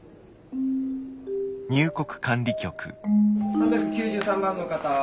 ３９３番の方。